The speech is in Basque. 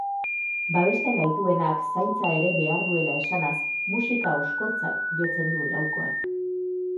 Babesten gaituenak zaintza ere behar duela esanaz, musika oskoltzat jotzen du laukoak.